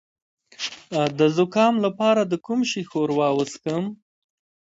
د زکام لپاره د کوم شي ښوروا وڅښم؟